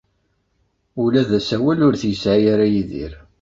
Ula d asawal ur t-yesɛi ara Yidir.